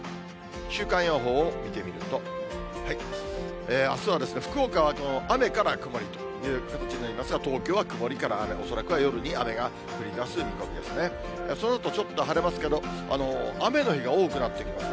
週間予報を見てみると、あすは、福岡は雨から曇りという形になりますが、東京は曇りから雨、恐らくは、夜から雨が降りだす見込みですね。